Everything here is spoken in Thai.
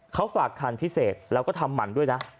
เขาฝากคันพิเศษแล้วก็ทำหมั่นด้วยนะ